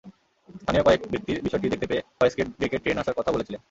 স্থানীয় কয়েক ব্যক্তি বিষয়টি দেখতে পেয়ে ফয়েজকে ডেকে ট্রেন আসার কথাও বলেছিলেন।